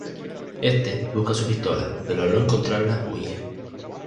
Éste busca su pistola, pero al no encontrarla, huye.